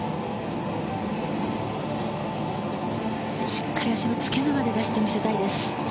しっかり脚の付け根まで出して見せたいです。